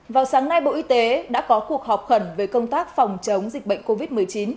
vào sáng nay bộ y tế đã có cuộc họp khẩn về công tác phòng chống dịch bệnh covid một mươi chín